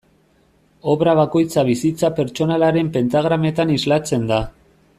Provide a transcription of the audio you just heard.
Obra bakoitza bizitza pertsonalaren pentagrametan islatzen da.